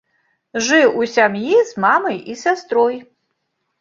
Жыў у сям'і з мамай і сястрой.